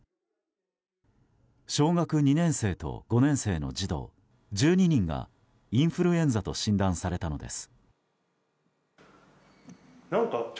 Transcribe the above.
小学２年生と５年生の児童１２人がインフルエンザと診断されたのです。